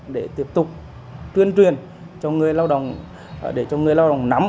để tiếp tục tuyên truyền cho người lao động để cho người lao động nắm